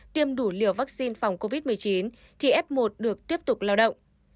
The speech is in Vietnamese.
tiêm đủ liều vaccine phòng covid một mươi chín khi f một được tiếp tục lao động